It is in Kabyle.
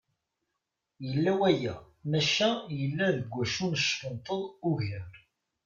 Yella waya, maca yella deg wacu neckenṭeḍ ugar.